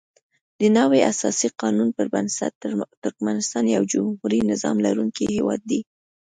دنوي اساسي قانون پر بنسټ ترکمنستان یو جمهوري نظام لرونکی هیواد دی.